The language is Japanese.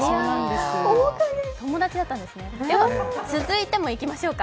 続いてもいきましょうか。